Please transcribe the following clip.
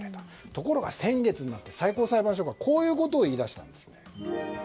ところが先月になって最高裁判所がこういうことを言い出したんです。